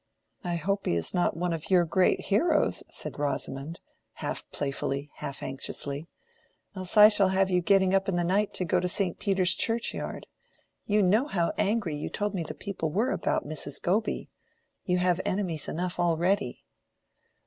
"I hope he is not one of your great heroes," said Rosamond, half playfully, half anxiously, "else I shall have you getting up in the night to go to St. Peter's churchyard. You know how angry you told me the people were about Mrs. Goby. You have enemies enough already."